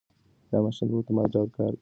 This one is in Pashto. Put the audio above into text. دا ماشین په اتومات ډول کار کوي.